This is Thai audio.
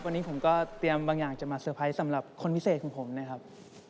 วันนี้ผมก็เตรียมบางอย่างจะมาเตอร์ไพรส์สำหรับคนพิเศษของผมนะครับ